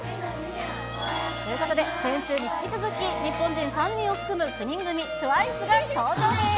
ということで、先週に引き続き、日本人３人を含む９人組、ＴＷＩＣＥが登場です。